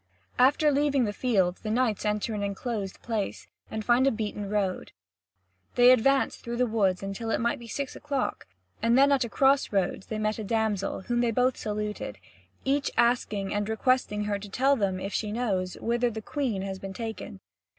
After leaving the fields, the knights enter an enclosed place, and find a beaten road. They advanced through the woods until it might be six o'clock, and then at a crossroads they met a damsel, whom they both saluted, each asking and requesting her to tell them, if she knows, whither the Queen has been taken.